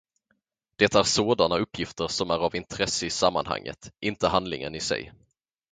Det är sådana uppgifter som är av intresse i sammanhanget, inte handlingen i sig.